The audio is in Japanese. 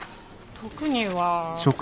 特には。